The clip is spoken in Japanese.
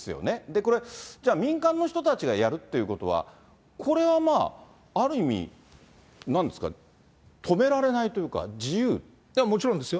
これ、じゃあ、民間の人たちがやるっていうことは、これはまあ、ある意味、なんですか、止められないというか、もちろんですよ。